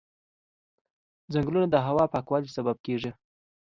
ځنګلونه د هوا پاکوالي سبب کېږي.